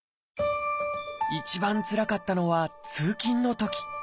一番つらかったのは通勤のとき。